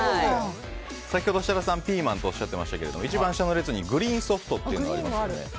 先ほど、設楽さんがピーマンとおっしゃっていましたが一番下の列にグリーンソフトというのがあります。